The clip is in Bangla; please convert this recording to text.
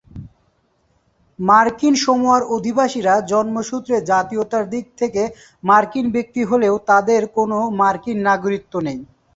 মার্কিন সামোয়ার অধিবাসীরা জন্মসূত্রে জাতীয়তার দিকে থেকে মার্কিন ব্যক্তি হলেও তাদের কোনও মার্কিন নাগরিকত্ব নেই।